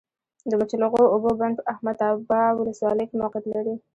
د مچلغو اوبو بند په احمد ابا ولسوالۍ کي موقعیت لری